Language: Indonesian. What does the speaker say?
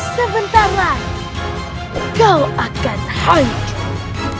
sebentar lagi kau akan hancur